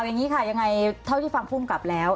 อย่างนี้ค่ะยังไงเท่าที่ฟังภูมิกับแล้ว